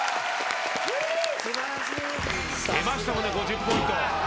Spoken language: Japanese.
出ましたもんね５０ポイント。